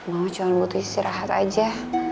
ma cuma butuh istirahat saja